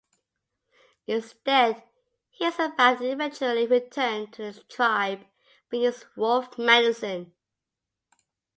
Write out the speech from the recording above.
Instead, he survived and eventually returned to the tribe bringing his "wolf medicine".